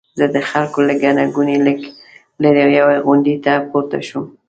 زه د خلکو له ګڼې ګوڼې لږ لرې یوې غونډۍ ته پورته شوم.